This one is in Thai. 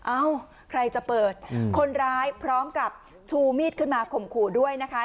เอ้าใครจะเปิดคนร้ายพร้อมกับชูมีดขึ้นมาข่มขู่ด้วยนะคะ